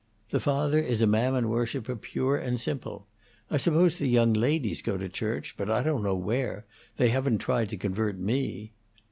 "The father is a Mammon worshipper, pure and simple. I suppose the young ladies go to church, but I don't know where. They haven't tried to convert me."